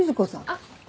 あっ。